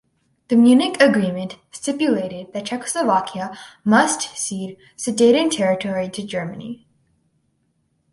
The Munich Agreement stipulated that Czechoslovakia must cede Sudeten territory to Germany.